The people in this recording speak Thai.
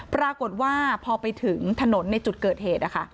ปรากฏว่าพอไปถึงถนนในจุดเกิดเหตุ